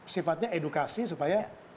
sifatnya edukasi supaya